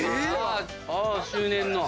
あ周年の。